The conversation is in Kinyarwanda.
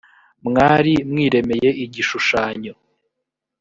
mwari mwiremeye igishushanyo.